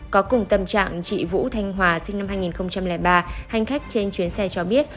có cùng tâm trạng chị vũ thanh hòa sinh năm hai nghìn ba hành khách trên chuyến xe cho biết